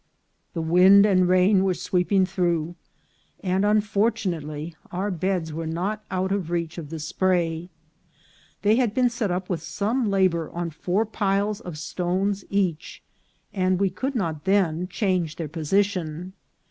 The wind and rain were sweeping through, and, unfortunately, our beds were not out of reach of the spray. They had been set up with some labour on four piles of stones each, and we could not then change their position.